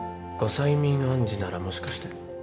催眠暗示ならもしかして。